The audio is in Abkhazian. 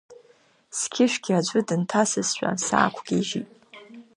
Сқьышәгьы аӡәы дынҭасызшәа саақәгьежьит.